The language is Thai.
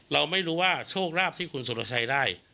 เราไม่รู้ว่าโชคลาภที่คุณสุรชัยได้